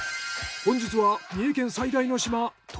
本日は三重県最大の島答